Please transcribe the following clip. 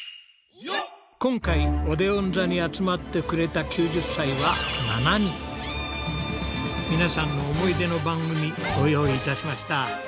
今回オデオン座に集まってくれた９０歳は皆さんの思い出の番組ご用意いたしました。